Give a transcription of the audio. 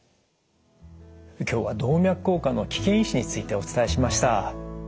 今日は動脈硬化の危険因子についてお伝えしました。